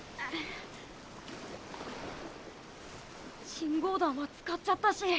信号弾は使っちゃったし。